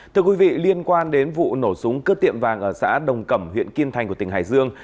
thưa quý vị liên quan đến vụ nổ súng cướp tiệm vàng ở xã đồng cẩm huyện kim thành của tỉnh hải dương